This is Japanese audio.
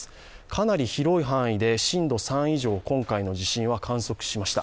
かなり広い範囲で震度３以上を今回の地震は観測しました。